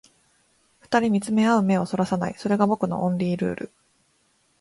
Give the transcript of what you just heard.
二人見つめ合う目を逸らさない、それが僕のオンリールール